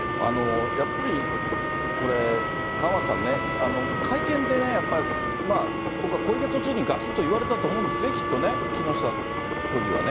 やっぱり、これ、川松さんね、会見でやっぱり僕は小池都知事にがつんと言われたと思うんですね、きっとね、木下都議はね。